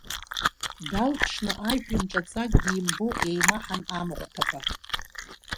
Далԥшны ажәҩан ҿаҵакгьы имбо еимаҳан амахәҭақәа.